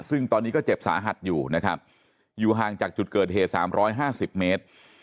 ซึ่งตอนนี้ก็เจ็บสาหัสอยู่นะครับอยู่ห่างจากจุดเกิดเหตุ๓๕๐เมตร